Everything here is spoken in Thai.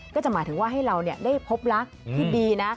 ก็จะหมายถึงว่าให้เราได้พบรักที่ดีนะ